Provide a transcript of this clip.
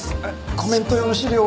コメント用の資料は。